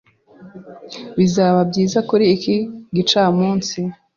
Bizaba byiza kuri iki gicamunsi.